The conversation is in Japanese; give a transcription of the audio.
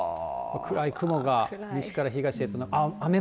暗い雲が西から東へと。